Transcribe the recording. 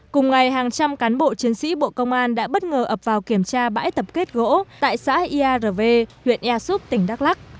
cùng ngày hàng trăm cán bộ chiến sĩ bộ công an đã bất ngờ ập vào kiểm tra bãi tập kết gỗ tại xã iav huyện ea súp tỉnh đắk lắc